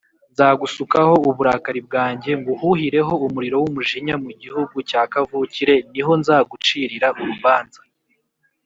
Nzagusukaho uburakari bwanjye nguhuhireho umuriro w’umujinya mu gihugu cya kavukire ni ho nzagucirira urubanza